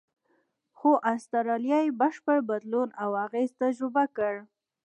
خو استرالیا یې بشپړ بدلون او اغېز تجربه کړ.